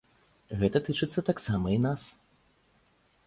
Гэта тычыцца таксама і нас.